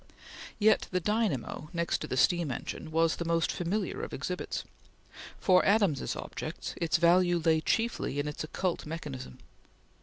Yet the dynamo, next to the steam engine, was the most familiar of exhibits. For Adams's objects its value lay chiefly in its occult mechanism.